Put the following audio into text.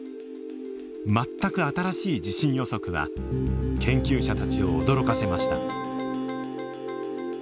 全く新しい地震予測は研究者たちを驚かせました。